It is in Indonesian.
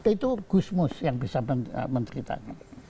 itu gusmus yang bisa menceritanya